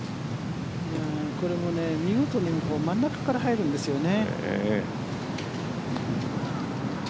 これも見事に真ん中から入るんですよね。